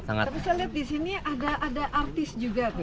tapi saya lihat disini ada artis juga